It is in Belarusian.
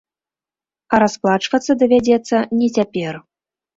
А расплачвацца давядзецца не цяпер.